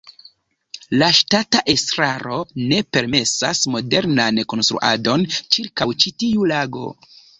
La ŝtata estraro ne permesas modernan konstruadon ĉirkaŭ ĉi tiu lago.